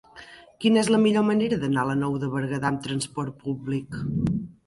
Quina és la millor manera d'anar a la Nou de Berguedà amb trasport públic?